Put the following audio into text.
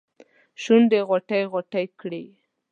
شونډې غوټې ، غوټې کړي